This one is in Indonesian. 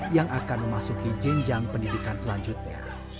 yang akan memasuki jenjang pendidikan selanjutnya